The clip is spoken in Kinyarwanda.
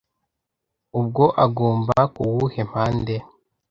ubwo agomba kuwuhe mpande